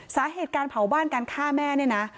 สาเหตุการเผาบ้านการฆ่าแม่เนี่ยนะ